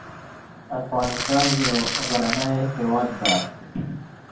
افغانستان یو غرنې هیواد ده